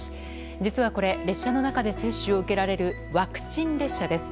実はこれ、列車の中で接種を受けられるワクチン列車です。